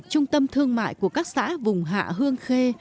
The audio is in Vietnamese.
trung tâm thương mại của các xã vùng hạ hương khê